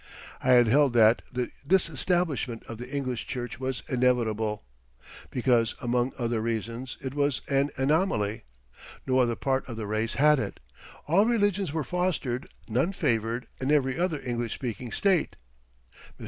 I had held that the disestablishment of the English Church was inevitable, because among other reasons it was an anomaly. No other part of the race had it. All religions were fostered, none favored, in every other English speaking state. Mr.